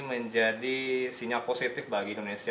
menjadi sinyal positif bagi indonesia